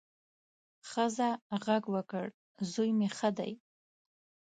ښځه غږ وکړ، زوی مې ښه دی.